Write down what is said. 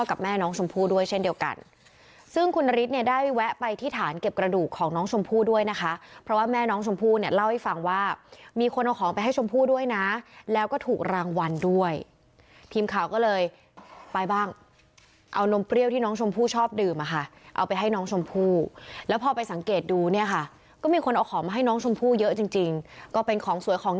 กับแม่น้องชมพูด้วยเช่นเดียวกันซึ่งคุณนฤทธิ์เนี่ยได้แวะไปที่ฐานเก็บกระดูกของน้องชมพูด้วยนะคะเพราะว่าแม่น้องชมพูเนี่ยเล่าให้ฟังว่ามีคนเอาของไปให้ชมพูด้วยนะแล้วก็ถูกรางวัลด้วยทีมข่าวก็เลยไปบ้างเอานมเปรี้ยวที่น้องชมพูชอบดื่มมาค่ะเอาไปให้น้องชมพูแล้วพอไปสังเกตดูเนี่ยค่ะก็มีคน